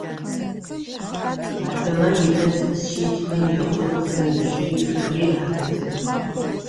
Ахэмэ илъэс шъитфым ехъу зыныбжьыхэри ахэтых.